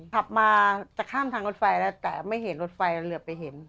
ขับมาจะข้ามทางรถไฟแล้วแต่ไม่เห็นรถไฟเหลือไปเห็น